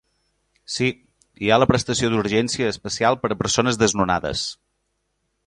Sí, hi ha la prestació d'urgència especial per a persones desnonades.